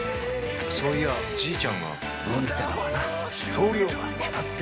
そういやじいちゃんが運ってのはな量が決まってるんだよ。